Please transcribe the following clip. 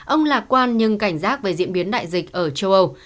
ông lạc quan nhưng cảnh giác về diễn biến đại dịch ở châu âu